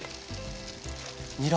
にら。